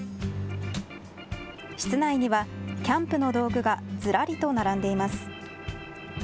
室内にはキャンプの道具がずらりと並んでいます。